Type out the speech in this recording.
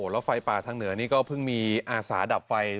แล้วไฟป่าทางเหนือนี่ก็เพิ่งมีอาสาดับไฟ